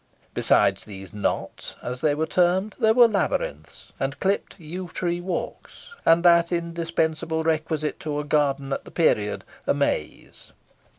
Besides these knots, as they were termed, there were labyrinths, and clipped yew tree walks, and that indispensable requisite to a garden at the period, a maze.